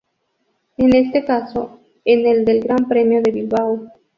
En este caso, en el del Gran Premio de Bilbao.